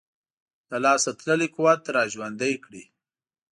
له لاسه تللی قوت را ژوندی کړي.